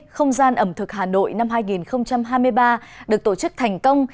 không gian ẩm thực hà nội năm hai nghìn hai mươi ba được tổ chức thành công